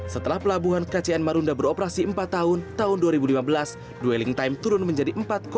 setelah pelabuhan kcn marunda beroperasi empat tahun tahun dua ribu lima belas dwelling time turun menjadi empat lima